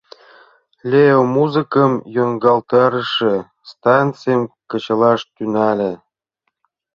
Лео музыкым йоҥгалтарыше станцийым кычалаш тӱҥале.